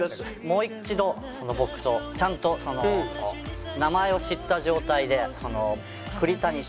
もう一度僕とちゃんと名前を知った状態で栗谷とあの。